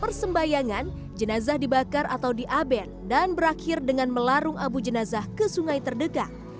persembayangan jenazah dibakar atau diaben dan berakhir dengan melarung abu jenazah ke sungai terdekat